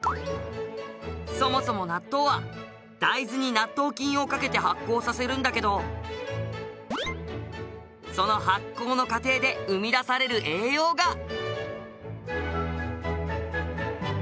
そもそも納豆は大豆に納豆菌をかけて発酵させるんだけどその発酵の過程で生み出される栄養が。